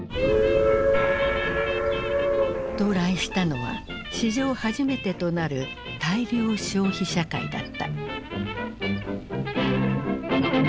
到来したのは史上初めてとなる大量消費社会だった。